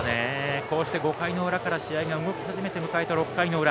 こうして５回の裏から試合が動き始めて迎えた６回の裏。